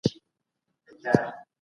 تفوق په تقوا او نیکو کارونو کي دی.